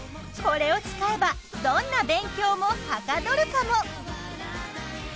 これを使えばどんな勉強もはかどるかも？